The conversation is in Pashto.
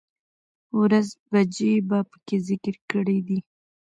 ،ورځ، بجې په کې ذکر کړى دي